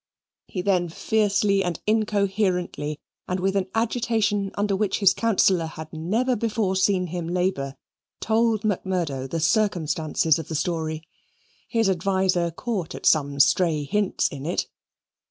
He then fiercely and incoherently, and with an agitation under which his counsellor had never before seen him labour, told Macmurdo the circumstances of the story. His adviser caught at some stray hints in it.